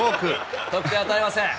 得点を与えません。